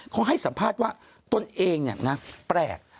เขาให้สัมภาษณ์ว่าตนเองแปลก